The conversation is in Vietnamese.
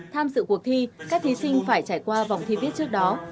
tham dự cuộc thi các thí sinh phải trải qua vòng thi viết trước đó